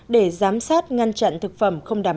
để giám sát ngăn chặn thực phẩm không đáng